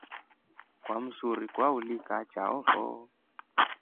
Kwa msuri kwaulika chao fo.